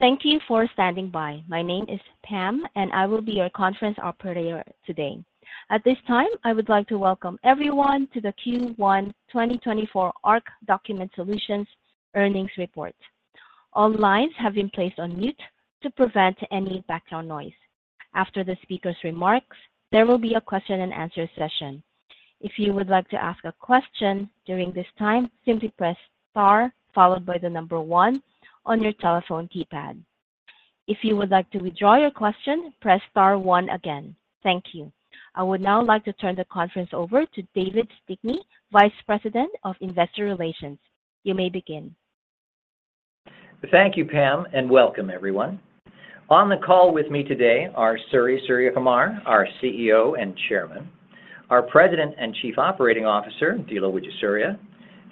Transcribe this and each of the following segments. Thank you for standing by. My name is Pam, and I will be your conference operator today. At this time, I would like to welcome everyone to the Q1 2024 ARC Document Solutions Earnings Report. All lines have been placed on mute to prevent any background noise. After the speaker's remarks, there will be a question-and-answer session. If you would like to ask a question during this time, simply press star followed by the number 1 on your telephone keypad. If you would like to withdraw your question, press star 1 again. Thank you. I would now like to turn the conference over to David Stickney, Vice President of Investor Relations. You may begin. Thank you, Pam, and welcome everyone. On the call with me today are Suri Suriyakumar, our CEO and Chairman, our President and Chief Operating Officer, Dilo Wijesuriya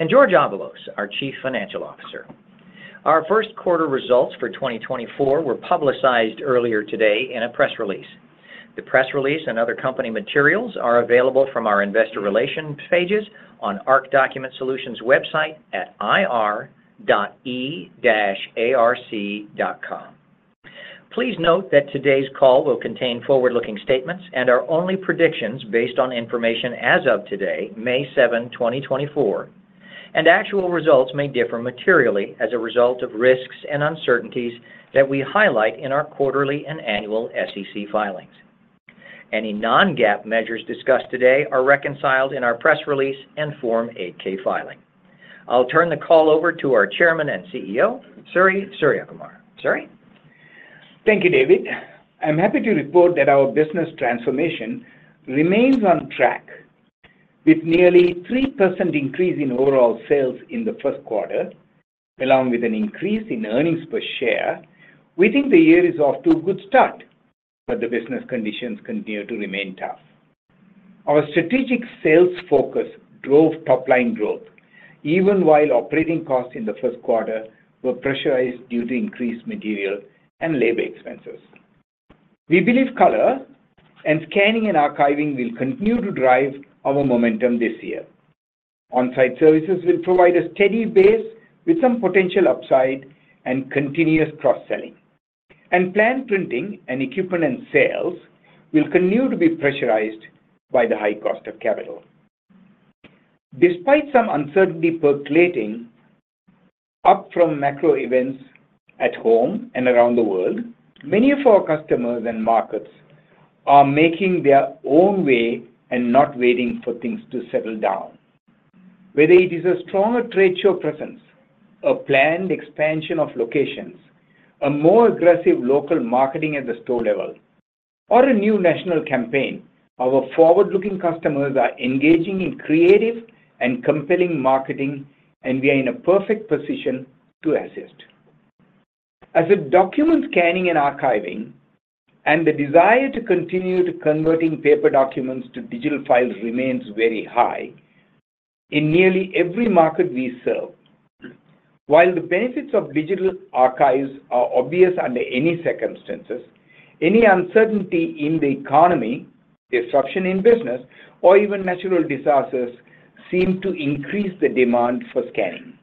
and Jorge Avalos, our Chief Financial Officer. Our Q1 results for 2024 were publicized earlier today in a press release. The press release and other company materials are available from our investor relations pages on ARC Document Solutions website at ir.arc.com. Please note that today's call will contain forward-looking statements and are only predictions based on information as of today, May 7, 2024, and actual results may differ materially as a result of risks and uncertainties that we highlight in our quarterly and annual SEC filings. Any non-GAAP measures discussed today are reconciled in our press release and Form 8-K filing. I'll turn the call over to our Chairman and CEO, Suri Suriyakumar. Suri? Thank you, David. I'm happy to report that our business transformation remains on track. With nearly a 3% increase in overall sales in the Q1, along with an increase in earnings per share, we think the year is off to a good start, but the business conditions continue to remain tough. Our strategic sales focus drove top-line growth, even while operating costs in the first quarter were pressurized due to increased material and labor expenses. We believe color and scanning and archiving will continue to drive our momentum this year. On-site services will provide a steady base with some potential upside and continuous cross-selling and plan printing and equipment and sales will continue to be pressurized by the high cost of capital. Despite some uncertainty percolating up from macro events at home and around the world, many of our customers and markets are making their own way and not waiting for things to settle down. Whether it is a stronger trade show presence, a planned expansion of locations, a more aggressive local marketing at the store level, or a new national campaign, our forward-looking customers are engaging in creative and compelling marketing, and we are in a perfect position to assist. As with document scanning and archiving and the desire to continue converting paper documents to digital files remains very high in nearly every market we serve. While the benefits of digital archives are obvious under any circumstances, any uncertainty in the economy, disruption in business, or even natural disasters seem to increase the demand for scanning.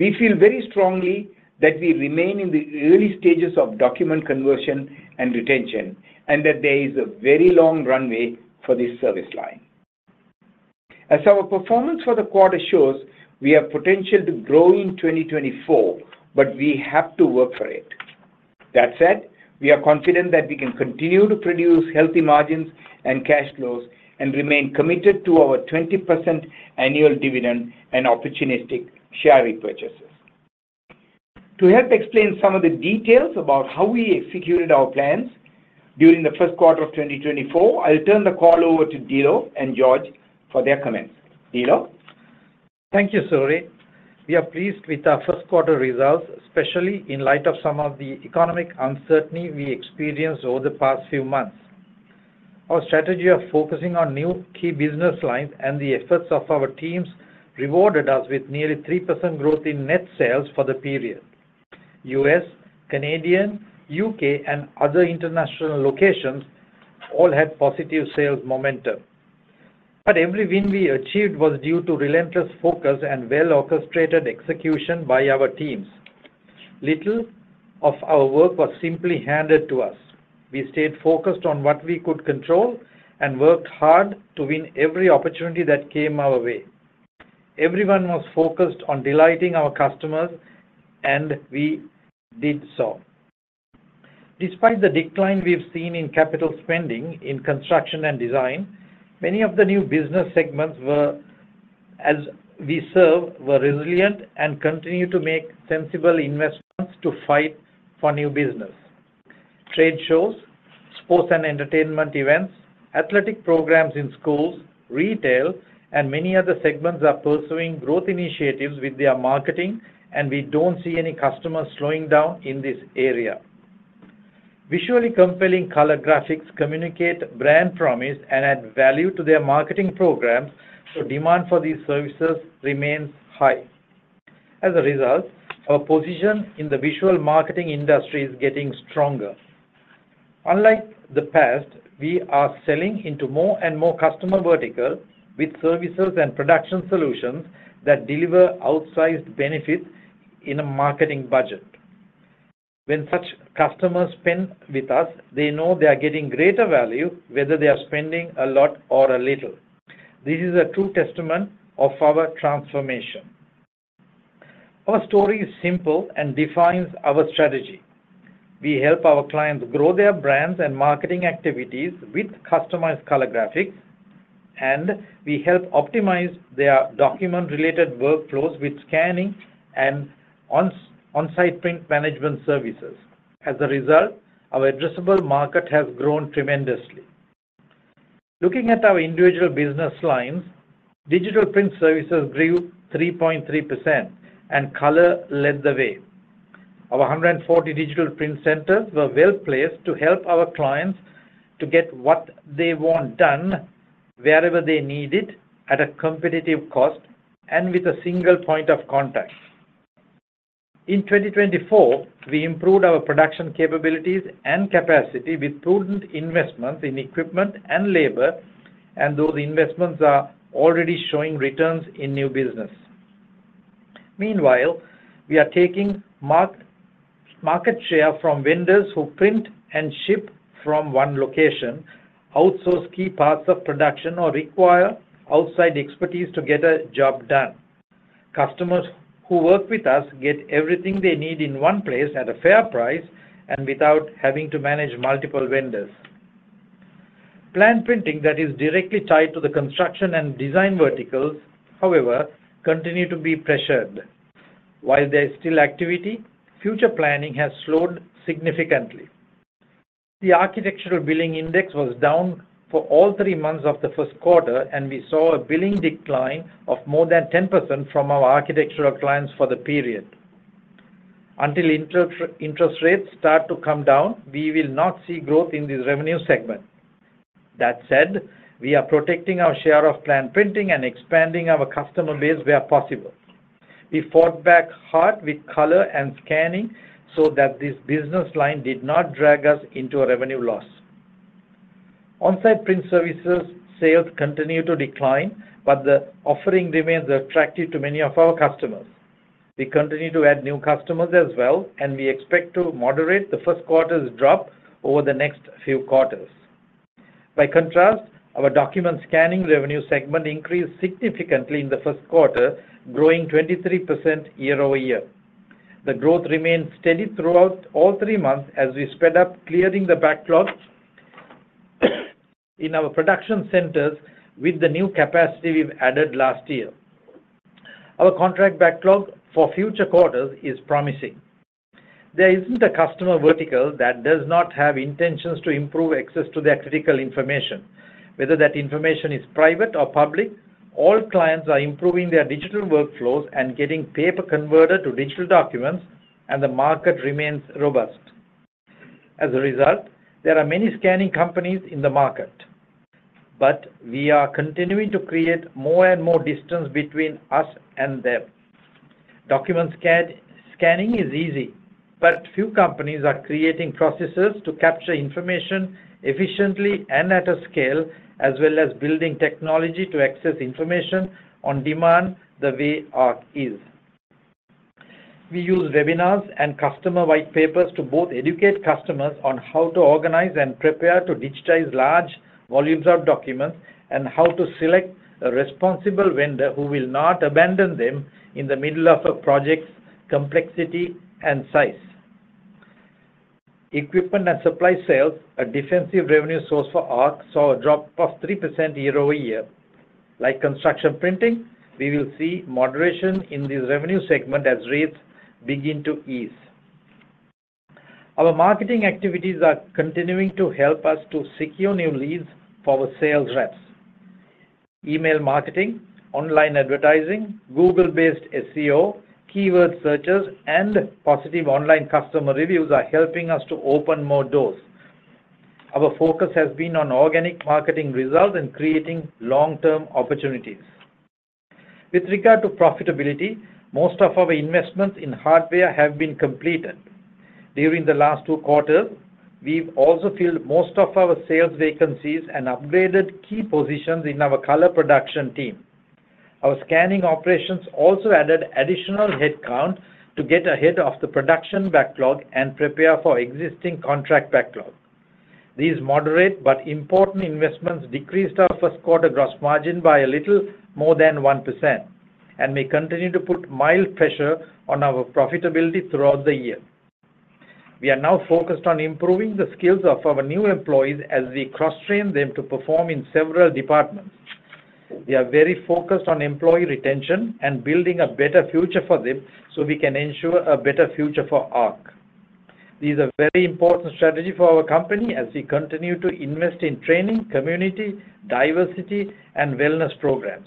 We feel very strongly that we remain in the early stages of document conversion and retention, and that there is a very long runway for this service line. As our performance for the quarter shows, we have potential to grow in 2024, but we have to work for it. That said, we are confident that we can continue to produce healthy margins and cash flows and remain committed to our 20% annual dividend and opportunistic share repurchases. To help explain some of the details about how we executed our plans during the Q1 of 2024, I'll turn the call over to Dilo and Jorge for their comments. Dilo? Thank you, Suri. We are pleased with our Q1 results, especially in light of some of the economic uncertainty we experienced over the past few months. Our strategy of focusing on new key business lines and the efforts of our teams rewarded us with nearly 3% growth in net sales for the period. U.S., Canadian, U.K., and other international locations all had positive sales momentum. But every win we achieved was due to relentless focus and well-orchestrated execution by our teams. Little of our work was simply handed to us. We stayed focused on what we could control and worked hard to win every opportunity that came our way. Everyone was focused on delighting our customers, and we did so. Despite the decline we've seen in capital spending in construction and design, many of the new business segments we serve were resilient and continue to make sensible investments to fight for new business. Trade shows, sports and entertainment events, athletic programs in schools, retail, and many other segments are pursuing growth initiatives with their marketing, and we don't see any customers slowing down in this area. Visually compelling color graphics communicate brand promise and add value to their marketing programs, so demand for these services remains high. As a result, our position in the visual marketing industry is getting stronger. Unlike the past, we are selling into more and more customer verticals with services and production solutions that deliver outsized benefits in a marketing budget. When such customers spend with us, they know they are getting greater value, whether they are spending a lot or a little. This is a true testament of our transformation. Our story is simple and defines our strategy. We help our clients grow their brands and marketing activities with customized color graphics, and we help optimize their document-related workflows with scanning and on-site print management services. As a result, our addressable market has grown tremendously. Looking at our individual business lines, digital print services grew 3.3%, and color led the way. Our 140 digital print centers were well-placed to help our clients get what they want done wherever they need it, at a competitive cost, and with a single point of contact. In 2024, we improved our production capabilities and capacity with prudent investments in equipment and labor, and those investments are already showing returns in new business. Meanwhile, we are taking market share from vendors who print and ship from one location, outsource key parts of production, or require outside expertise to get a job done. Customers who work with us get everything they need in one place at a fair price and without having to manage multiple vendors. Planned printing that is directly tied to the construction and design verticals, however, continues to be pressured. While there is still activity, future planning has slowed significantly. The Architectural Billing Index was down for all three months of the Q1 and we saw a billing decline of more than 10% from our architectural clients for the period. Until interest rates start to come down, we will not see growth in this revenue segment. That said, we are protecting our share of planned printing and expanding our customer base where possible. We fought back hard with color and scanning so that this business line did not drag us into a revenue loss. On-site print services sales continue to decline, but the offering remains attractive to many of our customers. We continue to add new customers as well, and we expect to moderate the first quarter's drop over the next few quarters. By contrast, our document scanning revenue segment increased significantly in the Q1, growing 23% year-over-year. The growth remained steady throughout all three months as we sped up clearing the backlog in our production centers with the new capacity we've added last year. Our contract backlog for future quarters is promising. There isn't a customer vertical that does not have intentions to improve access to their critical information. Whether that information is private or public, all clients are improving their digital workflows and getting paper converted to digital documents, and the market remains robust. As a result, there are many scanning companies in the market, but we are continuing to create more and more distance between us and them. Document scanning is easy, but few companies are creating processes to capture information efficiently and at a scale, as well as building technology to access information on demand the way ARC is. We use webinars and customer white papers to both educate customers on how to organize and prepare to digitize large volumes of documents and how to select a responsible vendor who will not abandon them in the middle of a project's complexity and size. Equipment and supply sales, a defensive revenue source for ARC, saw a drop of 3% year-over-year. Like construction printing, we will see moderation in this revenue segment as rates begin to ease. Our marketing activities are continuing to help us to secure new leads for our sales reps. Email marketing, online advertising, Google-based SEO, keyword searches, and positive online customer reviews are helping us to open more doors. Our focus has been on organic marketing results and creating long-term opportunities. With regard to profitability, most of our investments in hardware have been completed. During the last two quarters, we've also filled most of our sales vacancies and upgraded key positions in our color production team. Our scanning operations also added additional headcount to get ahead of the production backlog and prepare for existing contract backlog. These moderate but important investments decreased our Q1 gross margin by a little more than 1% and may continue to put mild pressure on our profitability throughout the year. We are now focused on improving the skills of our new employees as we cross-train them to perform in several departments. We are very focused on employee retention and building a better future for them so we can ensure a better future for ARC. This is a very important strategy for our company as we continue to invest in training, community, diversity, and wellness programs.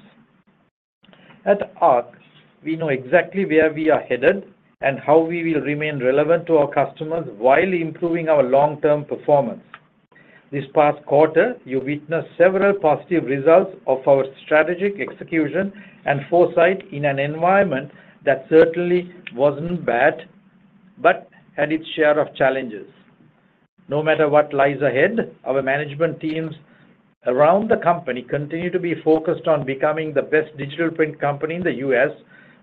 At ARC, we know exactly where we are headed and how we will remain relevant to our customers while improving our long-term performance. This past quarter, you witnessed several positive results of our strategic execution and foresight in an environment that certainly wasn't bad but had its share of challenges. No matter what lies ahead, our management teams around the company continue to be focused on becoming the best digital print company in the U.S.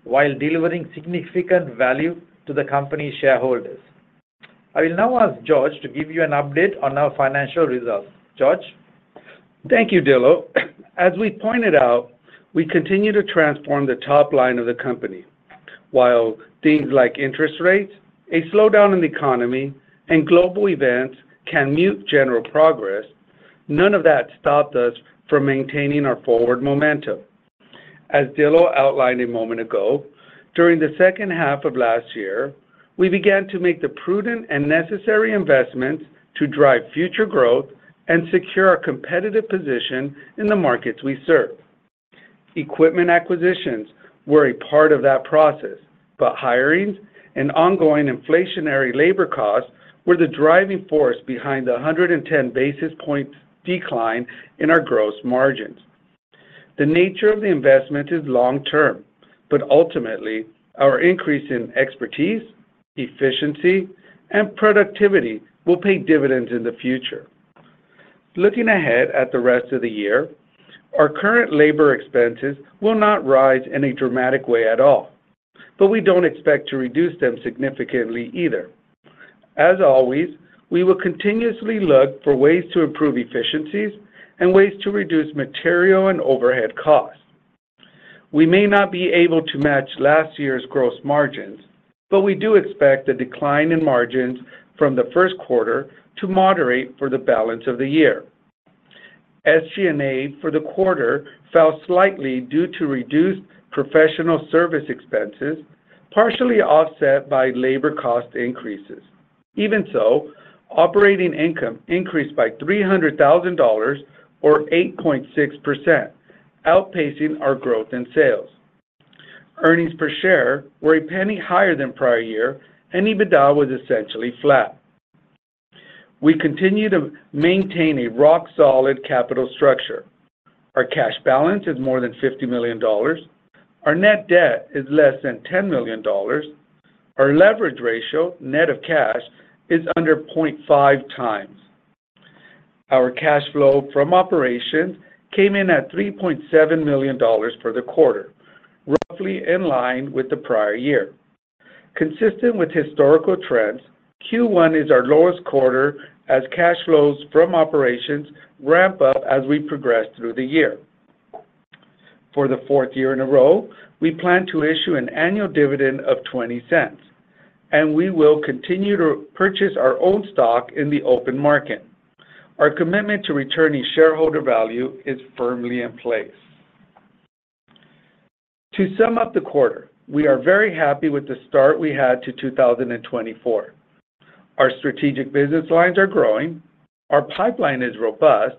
while delivering significant value to the company's shareholders. I will now ask Jorge to give you an update on our financial results. Jorge? Thank you, Dilo. As we pointed out, we continue to transform the top line of the company. While things like interest rates, a slowdown in the economy, and global events can mute general progress, none of that stopped us from maintaining our forward momentum. As Dilo outlined a moment ago, during the second half of last year, we began to make the prudent and necessary investments to drive future growth and secure our competitive position in the markets we serve. Equipment acquisitions were a part of that process, but hirings and ongoing inflationary labor costs were the driving force behind the 110 basis points decline in our gross margins. The nature of the investment is long-term, but ultimately, our increase in expertise, efficiency, and productivity will pay dividends in the future. Looking ahead at the rest of the year, our current labor expenses will not rise in a dramatic way at all, but we don't expect to reduce them significantly either. As always, we will continuously look for ways to improve efficiencies and ways to reduce material and overhead costs. We may not be able to match last year's gross margins, but we do expect the decline in margins from the Q1 to moderate for the balance of the year. SG&A for the quarter fell slightly due to reduced professional service expenses, partially offset by labor cost increases. Even so, operating income increased by $300,000 or 8.6%, outpacing our growth in sales. Earnings per share were $0.01 higher than prior year, and EBITDA was essentially flat. We continue to maintain a rock-solid capital structure. Our cash balance is more than $50 million. Our net debt is less than $10 million. Our leverage ratio, net of cash, is under 0.5 times. Our cash flow from operations came in at $3.7 million for the quarter, roughly in line with the prior year. Consistent with historical trends, Q1 is our lowest quarter as cash flows from operations ramp up as we progress through the year. For the fourth year in a row, we plan to issue an annual dividend of $0.20, and we will continue to purchase our own stock in the open market. Our commitment to returning shareholder value is firmly in place. To sum up the quarter, we are very happy with the start we had to 2024. Our strategic business lines are growing. Our pipeline is robust.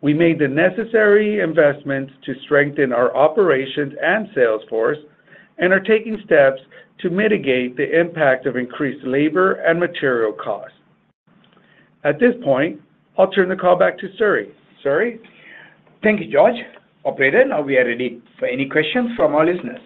We made the necessary investments to strengthen our operations and sales force and are taking steps to mitigate the impact of increased labor and material costs. At this point, I'll turn the call back to Suri. Suri? Thank you, Jorge. Operator, now we are ready for any questions from our listeners.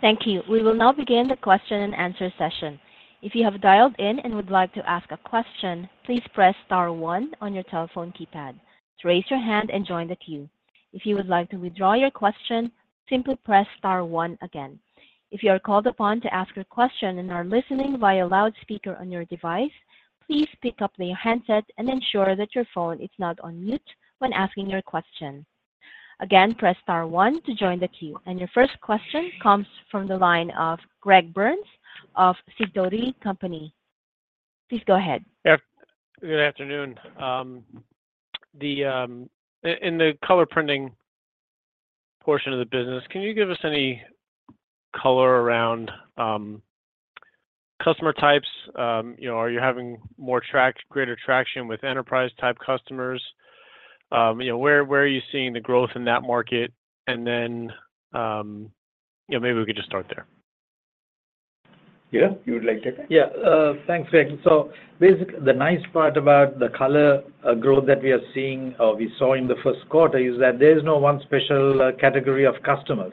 Thank you. We will now begin the question-and-answer session. If you have dialed in and would like to ask a question, please press star one on your telephone keypad. Raise your hand and join the queue. If you would like to withdraw your question, simply press star one again. If you are called upon to ask your question and are listening via loudspeaker on your device, please pick up the handset and ensure that your phone is not on mute when asking your question. Again, press star one to join the queue. And your first question comes from the line of Greg Burns of SIDOTI & Company. Please go ahead. Yeah. Good afternoon. In the color printing portion of the business, can you give us any color around customer types? Are you having greater traction with enterprise-type customers? Where are you seeing the growth in that market? And then maybe we could just start there. Yeah. You would like to take it? Yeah. Thanks, Greg. So basically, the nice part about the color growth that we are seeing or we saw in the first quarter is that there is no one special category of customers.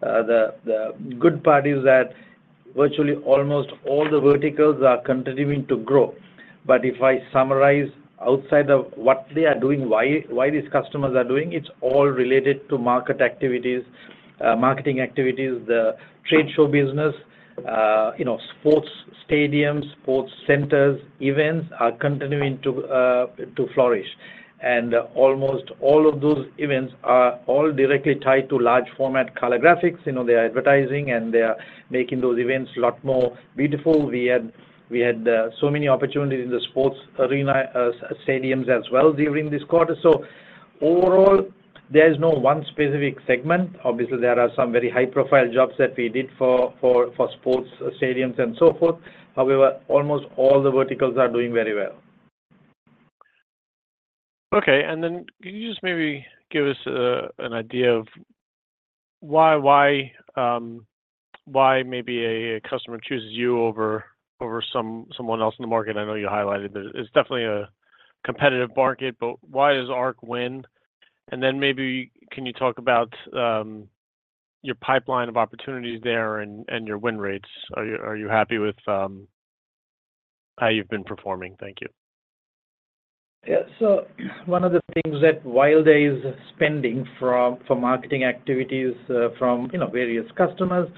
The good part is that virtually almost all the verticals are continuing to grow. But if I summarize outside of what they are doing, why these customers are doing, it's all related to market activities, marketing activities, the trade show business. Sports stadiums, sports centers, events are continuing to flourish and almost all of those events are all directly tied to large-format color graphics and they are advertising, and they are making those events a lot more beautiful. We had so many opportunities in the sports arena stadiums as well during this quarter. So overall, there is no one specific segment. Obviously, there are some very high-profile jobs that we did for sports stadiums and so forth. However, almost all the verticals are doing very well. Okay. And then can you just maybe give us an idea of why maybe a customer chooses you over someone else in the market? I know you highlighted that it's definitely a competitive market, but why does ARC win? And then maybe can you talk about your pipeline of opportunities there and your win rates? Are you happy with how you've been performing? Thank you. Yeah. So one of the things that while there is spending for marketing activities from various customers,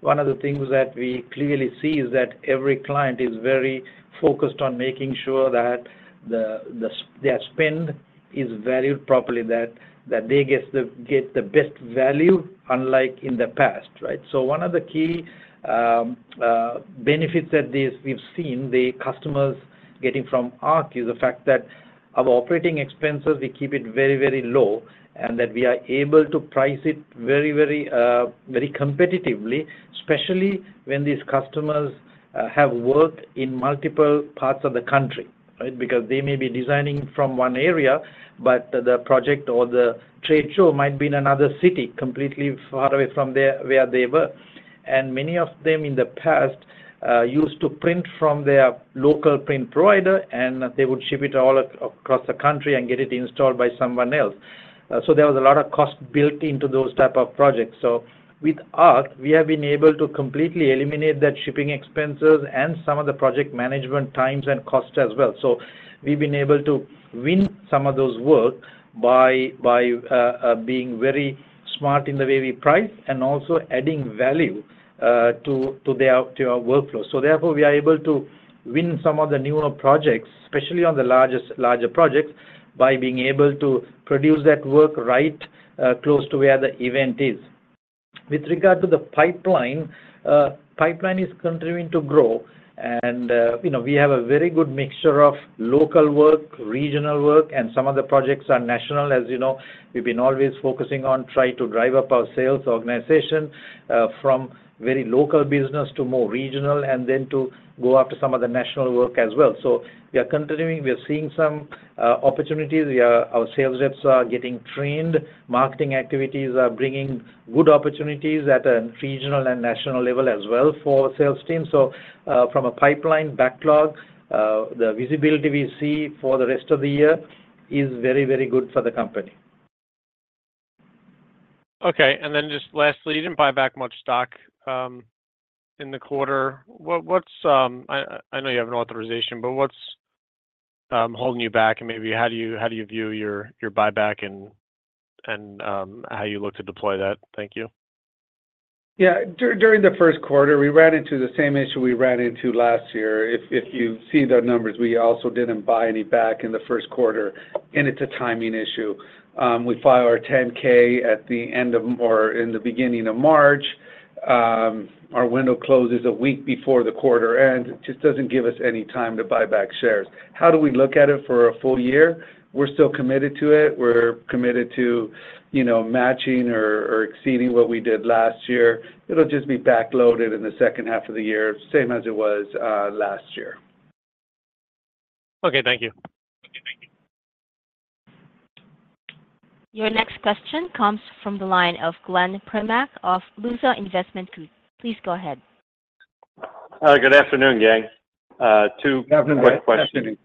one of the things that we clearly see is that every client is very focused on making sure that their spend is valued properly, that they get the best value unlike in the past, right? So one of the key benefits that we've seen, the customers getting from ARC, is the fact that our operating expenses, we keep it very, very low and that we are able to price it very, very competitively, especially when these customers have worked in multiple parts of the country, right? Because they may be designing from one area, but the project or the trade show might be in another city, completely far away from where they work. Many of them in the past used to print from their local print provider, and they would ship it all across the country and get it installed by someone else. There was a lot of cost built into those types of projects. With ARC, we have been able to completely eliminate that shipping expenses and some of the project management times and costs as well. We've been able to win some of those work by being very smart in the way we price and also adding value to our workflow. Therefore, we are able to win some of the newer projects, especially on the larger projects, by being able to produce that work right close to where the event is. With regard to the pipeline, pipeline is continuing to grow. We have a very good mixture of local work, regional work, and some of the projects are national. As you know, we've been always focusing on trying to drive up our sales organization from very local business to more regional and then to go after some of the national work as well. We are continuing. We are seeing some opportunities. Our sales reps are getting trained. Marketing activities are bringing good opportunities at a regional and national level as well for our sales team. From a pipeline backlog, the visibility we see for the rest of the year is very, very good for the company. Okay. And then just lastly, you didn't buy back much stock in the quarter. I know you have an authorization, but what's holding you back? And maybe how do you view your buyback and how you look to deploy that? Thank you. Yeah. During the Q1, we ran into the same issue we ran into last year. If you see the numbers, we also didn't buy any back in the Q1 and it's a timing issue. We file our 10-K at the end of or in the beginning of March. Our window closes a week before the quarter ends. It just doesn't give us any time to buy back shares. How do we look at it for a full year? We're still committed to it. We're committed to matching or exceeding what we did last year. It'll just be backloaded in the second half of the year, same as it was last year. Okay. Thank you. Your next question comes from the line of Glenn Primack of LUSA Investment Group. Please go ahead. Good afternoon, gang. Two quick questions.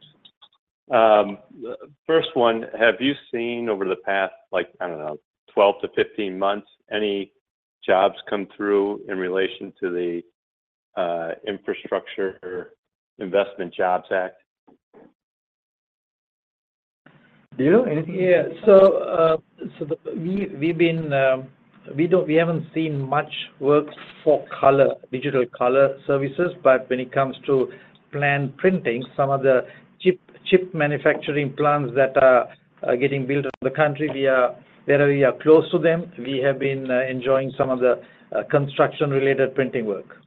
First one, have you seen over the past, I don't know, 12-15 months, any jobs come through in relation to the Infrastructure Investment and Jobs Act? Dilo, anything? Yeah. So we haven't seen much work for digital color services. But when it comes to plain printing, some of the chip manufacturing plants that are getting built in the country, wherever we are close to them, we have been enjoying some of the construction-related printing work.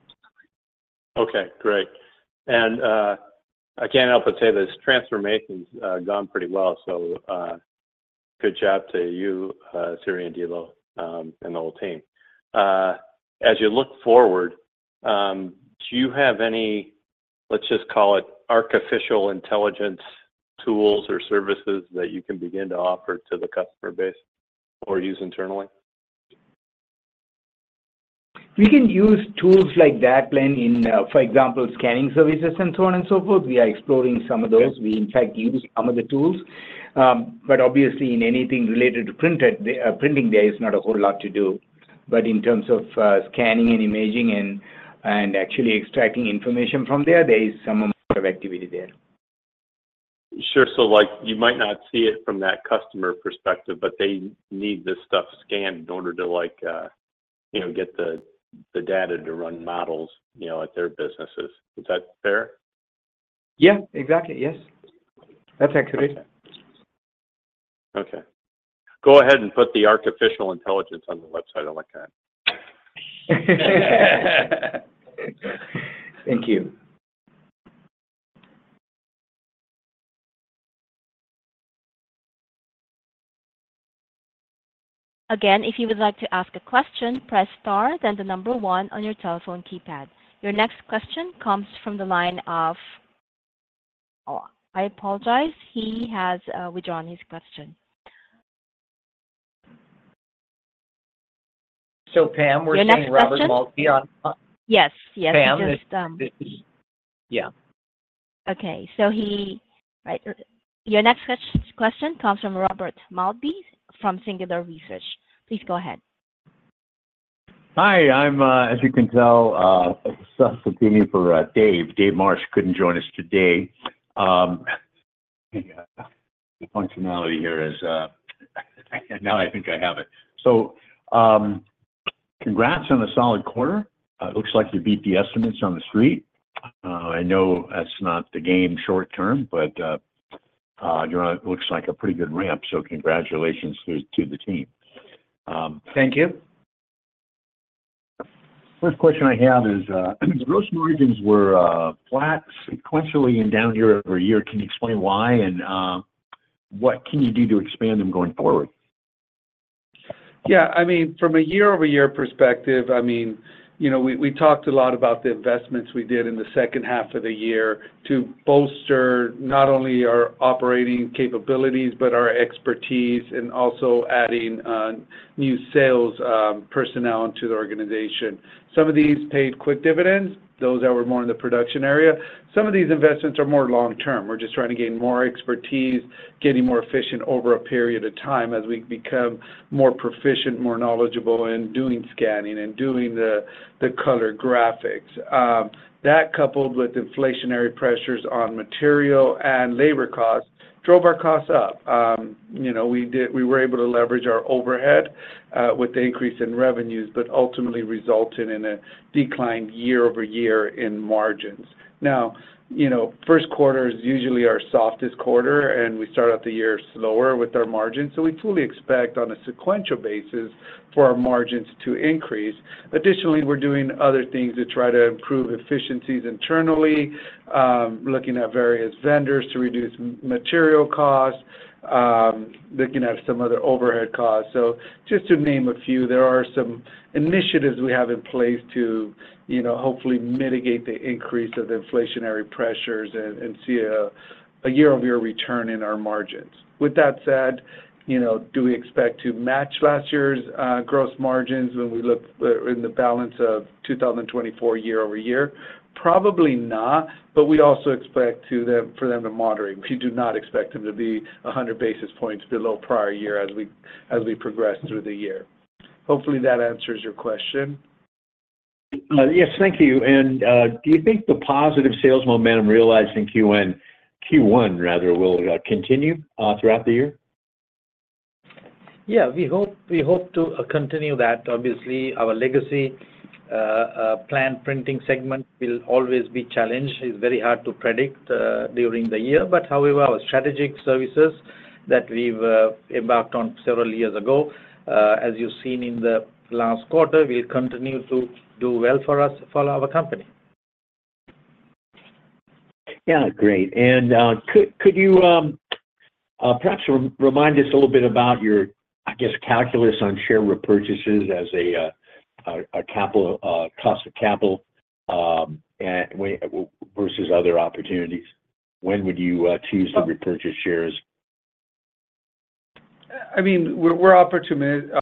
Okay. Great. And I can't help but say this transformation's gone pretty well. So good job to you, Suri and Dilo, and the whole team. As you look forward, do you have any, let's just call it, artificial intelligence tools or services that you can begin to offer to the customer base or use internally? We can use tools like that, Glenn, for example, scanning services and so on and so forth. We are exploring some of those. We, in fact, use some of the tools. But obviously, in anything related to printing, there is not a whole lot to do. But in terms of scanning and imaging and actually extracting information from there, there is some amount of activity there. Sure. So you might not see it from that customer perspective, but they need this stuff scanned in order to get the data to run models at their businesses. Is that fair? Yeah. Exactly. Yes. That's accurate. Okay. Go ahead and put the artificial intelligence on the website. I like that. Thank you. Again, if you would like to ask a question, press star, then the number 1 on your telephone keypad. Your next question comes from the line of oh, I apologize. He has withdrawn his question. So Pam. The next question. We're saying Robert Maltbie on? Yes, yes. Pam, just. Yeah. Okay. So he, right. Your next question comes from Robert Maltbie from Singular Research. Please go ahead. Hi. I'm, as you can tell, substituting for Dave. Dave Marsh couldn't join us today. The functionality here is now, I think I have it. So congrats on a solid quarter. It looks like you beat the estimates on the street. I know that's not the game short term, but it looks like a pretty good ramp. So congratulations to the team. Thank you. First question I have is gross margins were flat sequentially and down year-over-year. Can you explain why? What can you do to expand them going forward? Yeah. I mean, from a year-over-year perspective, I mean, we talked a lot about the investments we did in the second half of the year to bolster not only our operating capabilities but our expertise and also adding new sales personnel into the organization. Some of these paid quick dividends, those that were more in the production area. Some of these investments are more long-term. We're just trying to gain more expertise, getting more efficient over a period of time as we become more proficient, more knowledgeable in doing scanning and doing the color graphics. That, coupled with inflationary pressures on material and labor costs, drove our costs up. We were able to leverage our overhead with the increase in revenues but ultimately resulted in a declined year-over-year in margins. Now, first quarters usually are the softest quarter, and we start out the year slower with our margins. So we fully expect, on a sequential basis, for our margins to increase. Additionally, we're doing other things to try to improve efficiencies internally, looking at various vendors to reduce material costs, looking at some other overhead costs. So just to name a few, there are some initiatives we have in place to hopefully mitigate the increase of inflationary pressures and see a year-over-year return in our margins. With that said, do we expect to match last year's gross margins when we look in the balance of 2024 year-over-year? Probably not. But we also expect for them to moderate. We do not expect them to be 100 basis points below prior year as we progress through the year. Hopefully, that answers your question. Yes. Thank you. Do you think the positive sales momentum realized in Q1, rather, will continue throughout the year? Yeah. We hope to continue that. Obviously, our legacy plan printing segment will always be challenged. It's very hard to predict during the year. But however, our strategic services that we've embarked on several years ago, as you've seen in the last quarter, will continue to do well for our company. Yeah. Great. And could you perhaps remind us a little bit about your, I guess, calculus on share repurchases as a cost of capital versus other opportunities? When would you choose to repurchase shares? I mean, we're opportunistic,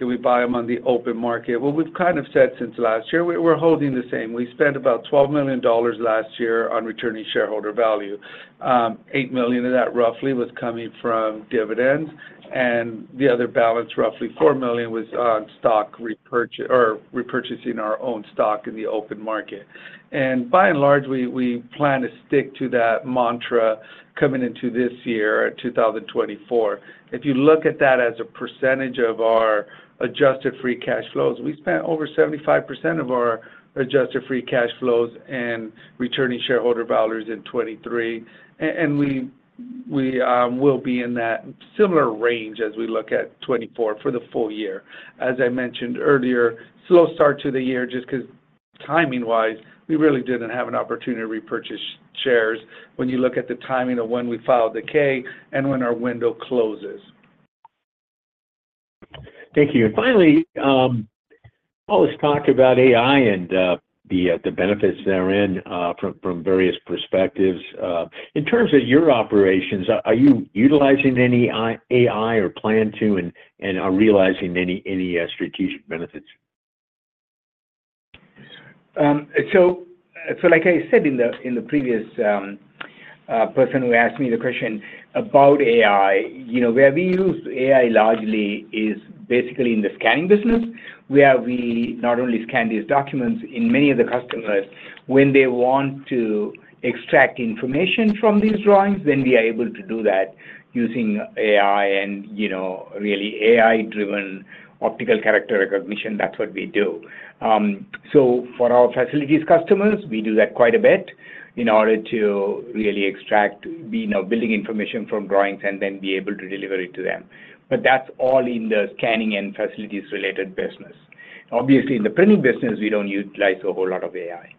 and we buy them on the open market. What we've kind of said since last year, we're holding the same. We spent about $12 million last year on returning shareholder value. $8 million of that, roughly, was coming from dividends. And the other balance, roughly $4 million, was on stock repurchasing our own stock in the open market. And by and large, we plan to stick to that mantra coming into this year, 2024. If you look at that as a percentage of our adjusted free cash flows, we spent over 75% of our adjusted free cash flows in returning shareholder values in 23. And we will be in that similar range as we look at 2024 for the full year. As I mentioned earlier, slow start to the year just because, timing-wise, we really didn't have an opportunity to repurchase shares when you look at the timing of when we filed the K and when our window closes. Thank you. And finally, all this talk about AI and the benefits therein from various perspectives, in terms of your operations, are you utilizing any AI or plan to and are realizing any strategic benefits? So, like I said in the previous person who asked me the question about AI, where we use AI largely is basically in the scanning business, where we not only scan these documents, in many of the customers, when they want to extract information from these drawings, then we are able to do that using AI and really AI-driven optical character recognition. That's what we do. So for our facilities customers, we do that quite a bit in order to really extract the building information from drawings, and then be able to deliver it to them. But that's all in the scanning and facilities-related business. Obviously, in the printing business, we don't utilize a whole lot of AI.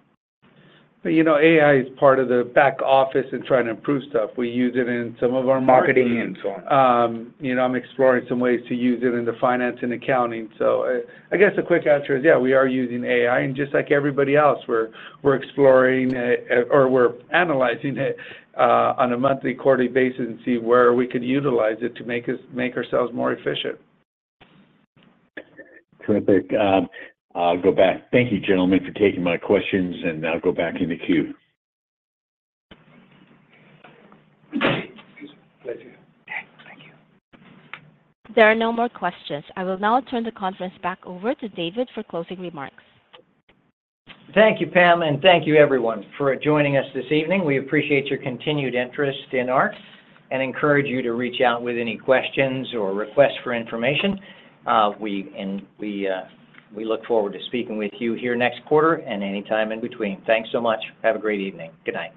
But, you lnow, AI is part of the back office and trying to improve stuff. We use it in some of our marketing and so on. I'm exploring some ways to use it in the finance and accounting. So I guess the quick answer is, yeah, we are using AI. And just like everybody else, we're exploring or we're analyzing it on a monthly, quarterly basis and see where we could utilize it to make ourselves more efficient. Terrific. I'll go back. Thank you, gentlemen, for taking my questions. I'll go back in the queue. There are no more questions. I will now turn the conference back over to David for closing remarks. Thank you, Pam. Thank you, everyone, for joining us this evening. We appreciate your continued interest in ARC and encourage you to reach out with any questions or requests for information. We look forward to speaking with you here next quarter and anytime in between. Thanks so much. Have a great evening. Good night.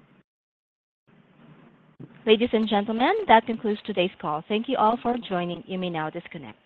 Ladies and gentlemen, that concludes today's call. Thank you all for joining. You may now disconnect.